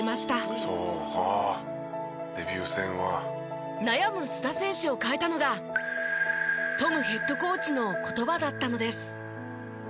「そうかデビュー戦は」悩む須田選手を変えたのがトムヘッドコーチの言葉だったのです。